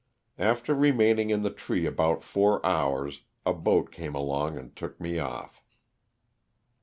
After remaining in the tree about four hours, a boat came along and took me olT.